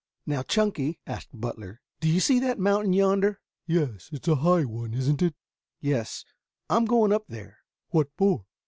"Now, Chunky," asked Butler, "do you see that mountain yonder?" "Yes. It's a high one, isn't it?" "Yes. I am going up there." "What for?"